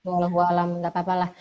walau walam gak apa apa lah